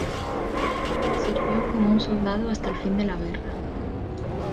Sirvió como un soldado hasta el fin de la guerra.